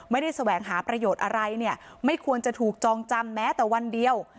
แสวงหาประโยชน์อะไรเนี่ยไม่ควรจะถูกจองจำแม้แต่วันเดียว